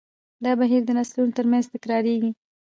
دا بهیر د نسلونو تر منځ تکراریږي.